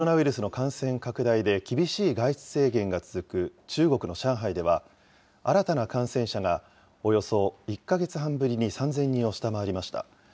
新型コロナウイルスの感染拡大で、厳しい外出制限が続く中国の上海では、新たな感染者がおよそ１か月半ぶりに３０００人を下回りました。